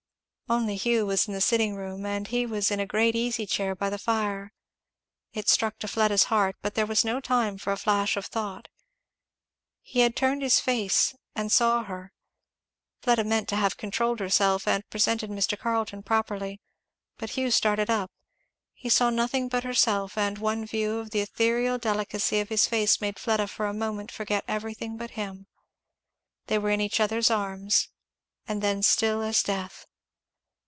Only Hugh was in the sitting room, and he was in a great easy chair by the fire. It struck to Fleda's heart; but there was no time but for a flash of thought. He had turned his face and saw her. Fleda meant to have controlled herself and presented Mr. Carleton properly, but Hugh started up, he saw nothing but herself, and one view of the ethereal delicacy of his face made Fleda for a moment forget everything but him. They were in each other's arms, and then still as death.